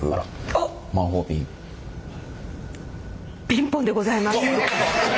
ピンポンでございます。